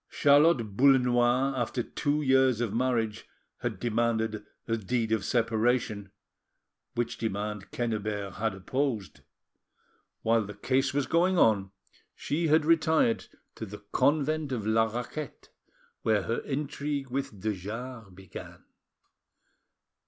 Charlotte Boullenois, after two years of marriage, had demanded a deed of separation, which demand Quennebert had opposed. While the case was going on she had retired to the convent of La Raquette, where her intrigue with de Jars began.